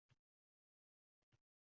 Bundan yetti yil muqaddam kutilayotgan edi.